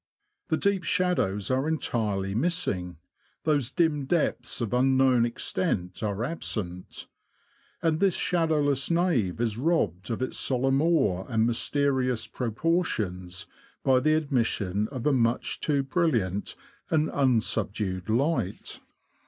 The deep shadows are entirely missing — those dim depths of unknown extent are absent ; and this shadowless nave is robbed of its solemn awe and mysterious proportions by the ad mission of a much too brilliant and unsubdued light.